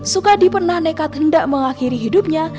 sukadi pernah nekat hendak mengakhiri hidupnya